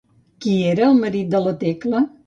Qui era el marit de la Tecla?